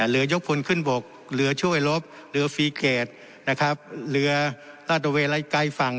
เรือยกพลขึ้นบกเหลือช่วยลบเหลือฟรีเกรดเรือลาโตเวลัยใกล้ฝั่ง